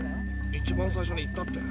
一番最初に言ったって。